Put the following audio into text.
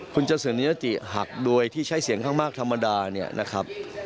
คุณจติศนิยะหักด้วยที่ใช้เสียงข้างบ้างธรรมดา